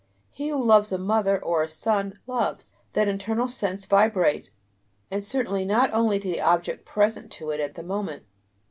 He who loves a mother or a son, "loves"; that internal sense vibrates, and certainly not only to the object present to it at the moment.